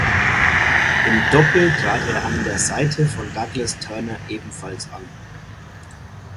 Im Doppel trat er an der Seite von Douglas Turner ebenfalls an.